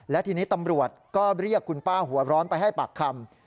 และทีนี้ตำรวจก็เรียกคุณป้าหัวร้อนไปให้ปากคำ